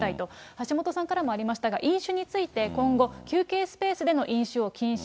橋下さんからもありましたが、飲酒について、今後、休憩スペースでの飲酒を禁止。